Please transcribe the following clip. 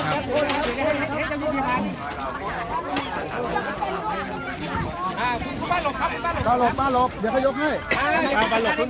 ก็ไม่มีใครกลับมาเมื่อเวลาอาทิตย์เกิดขึ้น